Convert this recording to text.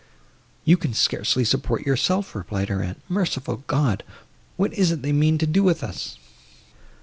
"You can scarcely support yourself," replied her aunt; "Merciful God! what is it they mean to do with us?"